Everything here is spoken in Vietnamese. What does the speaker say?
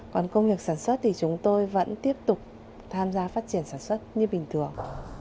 còn công việc sản xuất thì chúng tôi vẫn tiếp tục tham gia phát triển sản xuất như bình thường